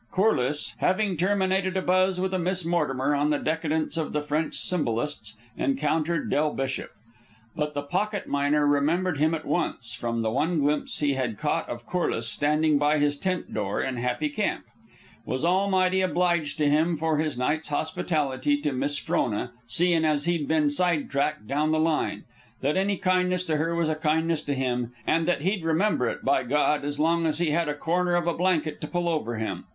Corliss, having terminated a buzz with a Miss Mortimer on the decadence of the French symbolists, encountered Del Bishop. But the pocket miner remembered him at once from the one glimpse he had caught of Corliss standing by his tent door in Happy Camp. Was almighty obliged to him for his night's hospitality to Miss Frona, seein' as he'd ben side tracked down the line; that any kindness to her was a kindness to him; and that he'd remember it, by God, as long as he had a corner of a blanket to pull over him.